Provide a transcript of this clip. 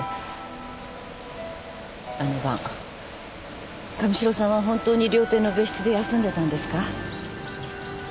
あの晩神代さんは本当に料亭の別室で休んでたんですか？